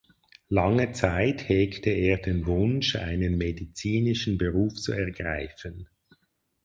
Lange Zeit hegte er den Wunsch einen medizinischen Beruf zu ergreifen.